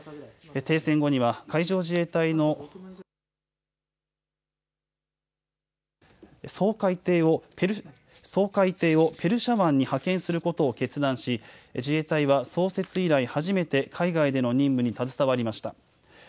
停戦後には海上自衛隊の掃海艇をペルシャ湾に派遣することを決断し、自衛隊は創設以来、初めて海外での任務に携わりました。